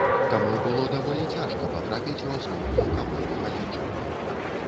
Таму было даволі цяжка патрапіць у асноўную каманду каледжа.